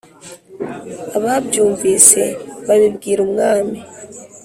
Ababyumvise babibwira umwami.